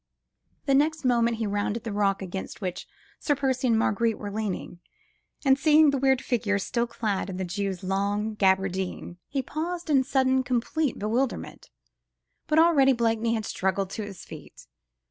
The next moment he rounded the rock against which Sir Percy and Marguerite were leaning, and seeing the weird figure still clad in the long Jew's gaberdine, he paused in sudden, complete bewilderment. But already Blakeney had struggled to his feet.